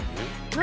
何？